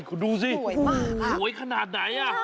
สุดยอดจริง